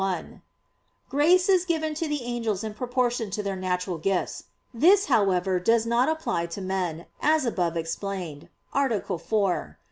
1: Grace is given to the angels in proportion to their natural gifts. This, however, does not apply to men, as above explained (A. 4; Q.